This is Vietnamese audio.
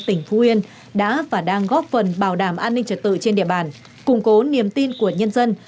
tỉnh phú yên đã và đang góp phần bảo đảm an ninh trật tự trên địa bàn